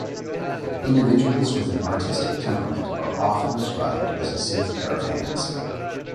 Individuals with an artistic temperament are often described as a safe pair of hands.